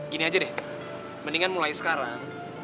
gini aja deh mendingan mulai sekarang